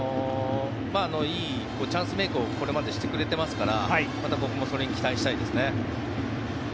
いいチャンスメイクをこれまでしてくれてますからまた、ここもそれに期待したいですね。